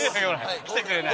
来てくれない？